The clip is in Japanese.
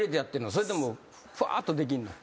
それともふわっとできんの？